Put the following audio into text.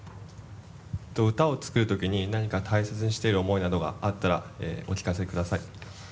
歌を作る時に何か大切にしている思いなどがあったらお聞かせください。